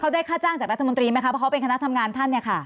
ได้ค่าจ้างจากรัฐมนตรีไหมคะเพราะเขาเป็นคณะทำงานท่านเนี่ยค่ะ